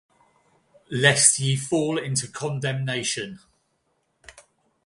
Lest ye fall into condemnation.